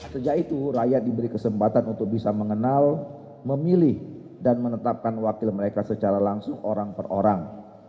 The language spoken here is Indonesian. sejak itu rakyat diberi kesempatan untuk bisa mengenal memilih dan menetapkan wakil mereka secara langsung orang per orang